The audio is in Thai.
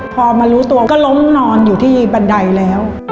พอมารู้ตัวก็ล้มนอนอยู่ที่บันไดแล้ว